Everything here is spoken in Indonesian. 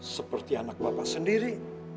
seperti anak bapak sendiri